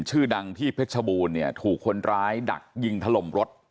ชื่อดังที่เพชรบูรณ์เนี่ยถูกคนร้ายดักยิงถล่มรถ